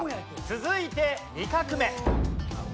続いて２画目。